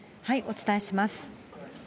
お伝えします。